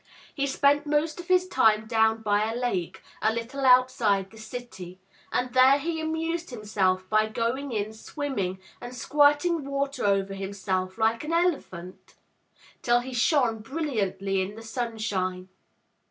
He spent most of his time down by a lake, a little outside the city, and there he amused himself by going in swimming, and squirting water over himself like an elephant, till he shone brilliantly in the sunshine.